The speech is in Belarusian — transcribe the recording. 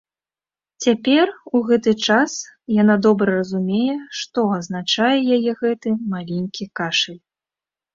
Цяпер, у гэты час, яна добра разумее, што азначае яе гэты маленькі кашаль.